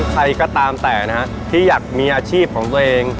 ใครก็ตามแต่นะฮะที่อยากมีอาชีพของตัวเอง